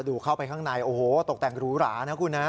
เข้าไปข้างในโอ้โหตกแต่งหรูหรานะคุณนะ